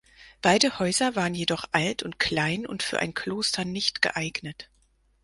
Beide Häuser waren jedoch alt und klein und für ein Kloster nicht geeignet.